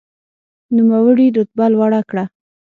نوموړي رتبه لوړه کړه.